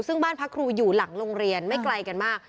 ซึ่งบ้านพักครูอยู่หลังโรงเรียนไม่ไกลกันมาก